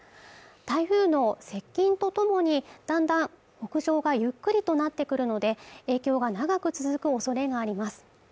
台風の接近とともにだんだん北上がゆっくりとなってくるので影響が長く続くおそれがあります